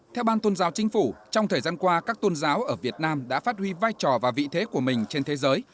theo ban tôn giáo chính phủ trong thời gian qua các tôn giáo ở việt nam đã phát huy vai trò và vị thế của mình trên thế giới